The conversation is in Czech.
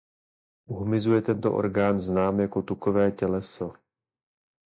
U hmyzu je tento orgán znám jako tukové těleso.